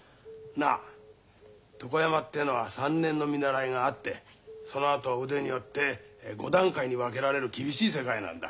なあ床山ってえのは３年の見習いがあってそのあと腕によって５段階に分けられる厳しい世界なんだ。